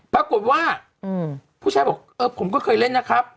ผู้ชายบอกเออผมก็เคยเล่นนะครับ